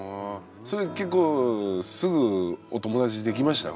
結構すぐお友達できました？